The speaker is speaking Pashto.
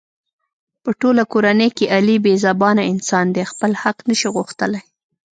په ټوله کورنۍ کې علي بې زبانه انسان دی. خپل حق نشي غوښتلی.